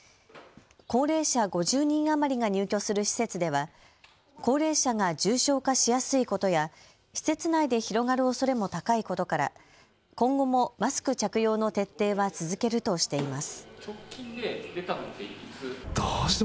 高齢者５０人余りが入居する施設では高齢者が重症化しやすいことや施設内で広がるおそれも高いことから今後もマスク着用の徹底は続けるとしています。